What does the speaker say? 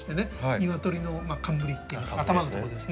鶏の冠っていいますか頭のとこですね。